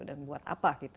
dan buat apa gitu